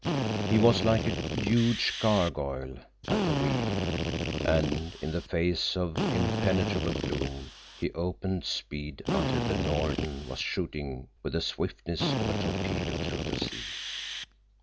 He was like a huge gargoyle at the wheel, and in the face of impenetrable gloom he opened speed until the Norden was shooting with the swiftness of a torpedo through the sea.